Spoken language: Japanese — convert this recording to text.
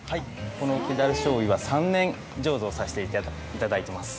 この木だるしょうゆは３年醸造させていただいています。